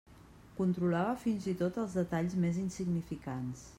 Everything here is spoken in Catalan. Controlava fins i tot els detalls més insignificants.